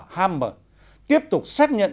hammar tiếp tục xác nhận